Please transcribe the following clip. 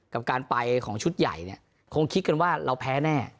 กับการไปของชุดใหญ่เนี่ยคงคิดกันว่าเราแพ้แน่